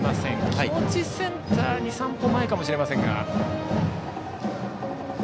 気持ち、センターに２、３歩入るかもしれませんが。